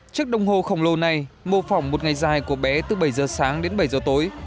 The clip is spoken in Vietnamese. trước đồng hồ khổng lồ này mô phỏng một ngày dài của bé từ bảy h sáng đến bảy h tối